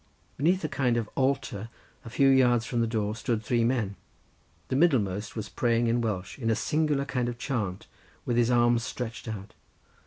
Beneath a kind of altar, a few yards from the door, stood three men—the middlemost was praying in Welsh in a singular kind of chant, with his arms stretched out.